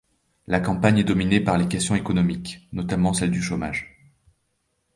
La campagne est dominée par les questions économiques, notamment celle du chômage.